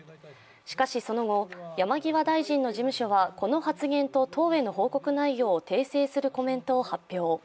しかし、その後、山際大臣の事務所はこの発言と党への報告内容を訂正するコメントを発表。